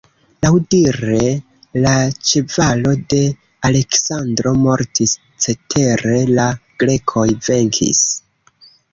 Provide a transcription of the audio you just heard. Laŭdire la ĉevalo de Aleksandro mortis, cetere la grekoj venkis.